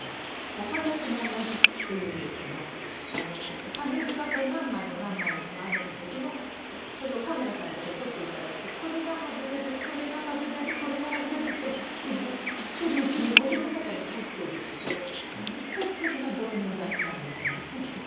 「おはなしのもり」っていうんですけどパネルが何枚も何枚もあるんですがそのそれをカメラさんで撮って頂くとこれが外れるこれが外れるこれが外れるっていっているうちに森の中に入ってるってこれは本当すてきな導入だったんですよ。